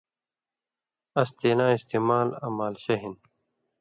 اس تیلاں استعمال آں مالشہ ہِن